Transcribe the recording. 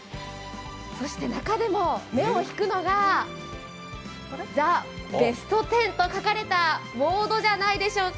そして中でも目を引くのが、「ザ・ベストテン」と書かれたボードじゃないでしょうか。